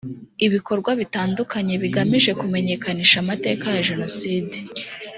ibikorwa bitandukanye bigamije kumenyekanisha amateka ya jenoside